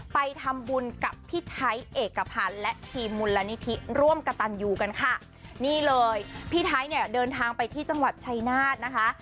ไปทำบุญกับพี่ไทยเอกพันธ์และทีมมูลนิธิร่วมกระตันยูกันค่ะนี่เลยพี่ไทยเนี่ยเดินทางไปที่จังหวัดชัยนาธนะคะ